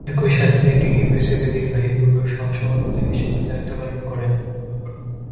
একইসাথে তিনি ইউনিসেফের নির্বাহী ব্যুরোর সহ-সভাপতি হিসেবেও দায়িত্ব পালন করেন।